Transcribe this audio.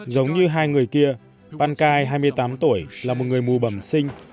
giống như hai người kia pankai hai mươi tám tuổi là một người mù bẩm sinh